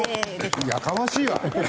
やかましいわ！